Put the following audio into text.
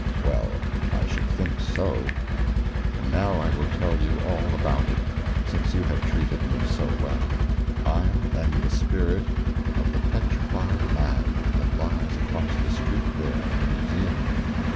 "Well, I should think so. And now I will tell you all about it, since you have treated me so well. I am the spirit of the Petrified Man that lies across the street there in the museum.